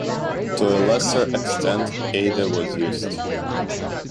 To a lesser extent, Ada was used.